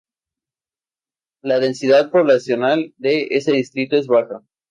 La densidad poblacional de este distrito es baja.